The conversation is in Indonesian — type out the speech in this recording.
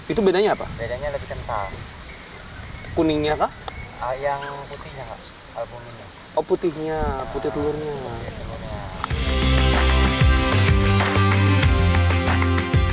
itu bedanya apa bedanya lebih kental kuningnya yang putihnya oh putihnya putih